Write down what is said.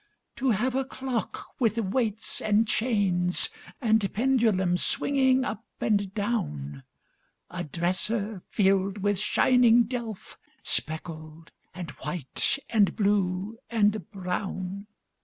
To have a clock with weights and chains And pendulum swinging up and down! A dresser filled with shining delph, Speckled and white and blue and brown!